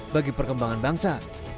bagi perkembangan bangsa